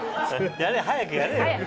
やれ早くやれよ。早く。